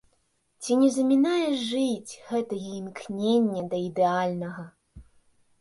Ці не замінае жыць гэтае імкненне да ідэальнага?